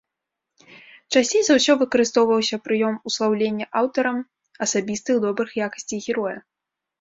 Часцей за ўсё выкарыстоўваўся прыём услаўлення аўтарам асабістых добрых якасцей героя.